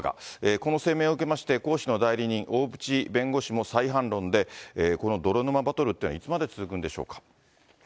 この声明を受けまして、江氏の代理人、大渕弁護士も再反論で、この泥沼バトルというのはいつまで続くんでしょうか。